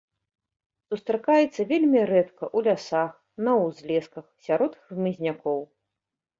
Сустракаецца вельмі рэдка ў лясах, на ўзлесках, сярод хмызнякоў.